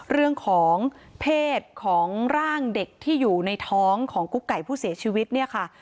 เรื่องของเพศของร่างเด็กที่อยู่ในท้องของกุ๊กไก่ผู้เสียชีวิตเนี่ยค่ะ